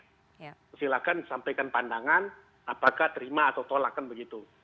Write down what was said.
jadi silakan disampaikan pandangan apakah terima atau tolakan begitu